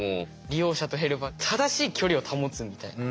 利用者とヘルパー正しい距離を保つみたいな。